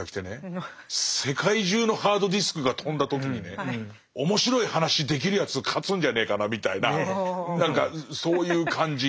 世界中のハードディスクがとんだ時にね面白い話できるやつ勝つんじゃねえかなみたいな何かそういう感じ。